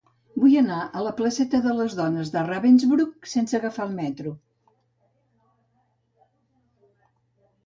Vull anar a la placeta de les Dones de Ravensbrück sense agafar el metro.